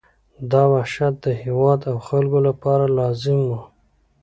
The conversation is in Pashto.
دا وحشت د هېواد او خلکو لپاره لازم وو.